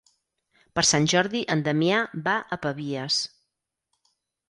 Per Sant Jordi en Damià va a Pavies.